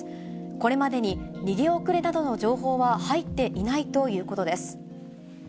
これまでに逃げ遅れなどの情報は入っていないということです。